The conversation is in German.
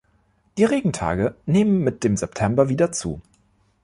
Die Regentage nehmen mit dem September wieder zu.